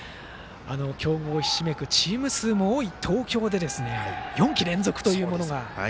強豪ひしめくチーム数も多い東京で４季連続という。